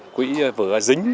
quỹ vừa dính